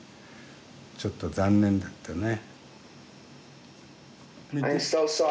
ちょっと残念だったね。